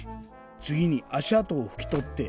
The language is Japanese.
つぎにあしあとをふきとって。